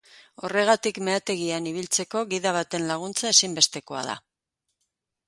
Horregatik meategian ibiltzeko gida baten laguntza ezinbestekoa da.